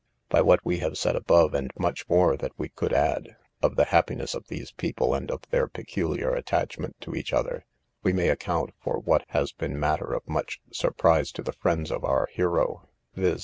By what we have said above, and much more that we could add, of the happiness of these people, and of their peculiar attachment to each other, we may account for what has been matter of much surprise to the friends of our hero, viz.